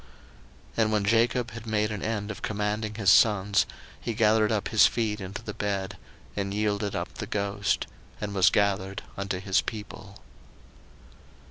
01:049:033 And when Jacob had made an end of commanding his sons, he gathered up his feet into the bed, and yielded up the ghost, and was gathered unto his people.